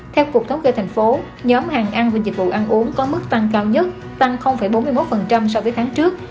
theo cục thống kê thành phố nhóm hàng ăn và dịch vụ ăn uống có mức tăng cao nhất tăng bốn mươi một so với tháng trước